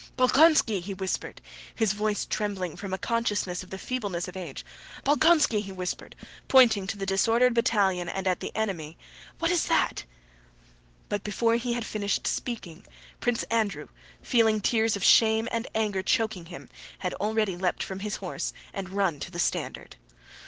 "Bolkónski!" he whispered, his voice trembling from a consciousness of the feebleness of age, "Bolkónski!" he whispered, pointing to the disordered battalion and at the enemy, "what's that?" But before he had finished speaking, Prince Andrew, feeling tears of shame and anger choking him, had already leapt from his horse and run to the standard.